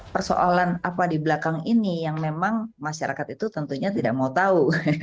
persoalan apa di belakang ini yang memang masyarakat itu tentunya tidak mau tahu